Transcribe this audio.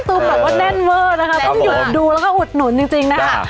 ต้องหยุดดูแล้วก็อุดหนุนจริงนะครับ